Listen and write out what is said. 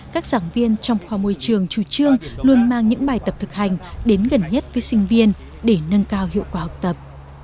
các giảng viên trong khoa môi trường chủ trương luôn mang những bài tập thực hành đến gần nhất với sinh viên để nâng cao hiệu quả học tập